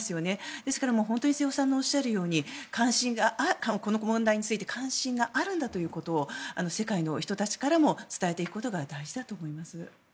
ですから、本当に瀬尾さんのおっしゃるようにこの問題について関心があるんだということを世界の人たちからも伝えていくことが大事だと思います。